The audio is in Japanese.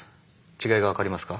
違いが分かりますか？